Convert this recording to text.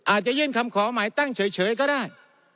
อาจจะยื่นคำขอหมายตั้งเฉยก็ได้